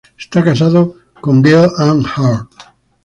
Está casado con Gale Anne Hurd.